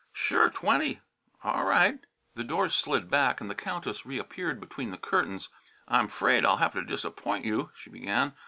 Sure, twenty! All right!" The doors slid back and the Countess reappeared between the curtains. "I'm 'fraid I'll have to disappoint you," she began.